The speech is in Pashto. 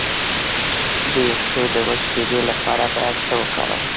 د ویښتو د وچ کیدو لپاره باید څه وکاروم؟